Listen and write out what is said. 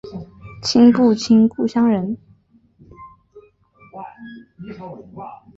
亲不亲故乡人